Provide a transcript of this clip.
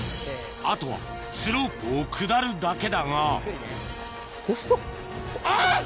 あとはスロープを下るだけだがあぁ！